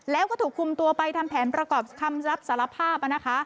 แล้วก็ถูกคุมตัวไปทำแผนประกอบคำรับสารภาพนะคะ